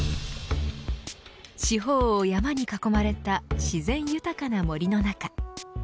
四方を山に囲まれた自然豊かな森の中。